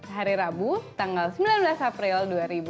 hari rabu tanggal sembilan belas april dua ribu dua puluh